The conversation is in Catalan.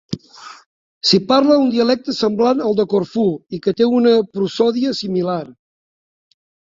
S'hi parla un dialecte semblant al de Corfú i que té una prosòdia similar.